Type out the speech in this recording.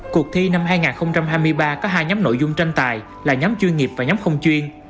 cuộc thi năm hai nghìn hai mươi ba có hai nhóm nội dung tranh tài là nhóm chuyên nghiệp và nhóm không chuyên